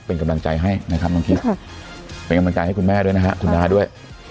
เป็นกำลังการให้คุณแม่ด้วยนะครับคุณน้าด้วย